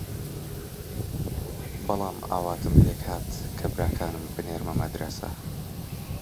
بەڵام ئاواتم پێک هات کە براکانم بنێرمە مەدرەسە